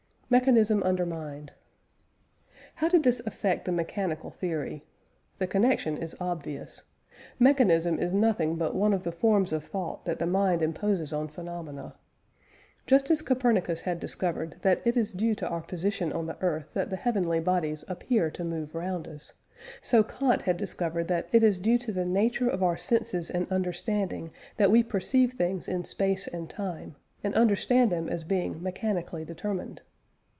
MECHANISM UNDERMINED. How did this affect the mechanical theory? The connection is obvious. Mechanism is nothing but one of the forms of thought that the mind imposes on phenomena. Just as Copernicus had discovered that it is due to our position on the earth that the heavenly bodies appear to move round us, so Kant had discovered that it is due to the nature of our senses and understanding that we perceive things in space and time, and understand them as being mechanically determined.